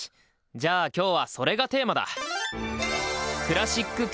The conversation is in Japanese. じゃあ今日はそれがテーマだ！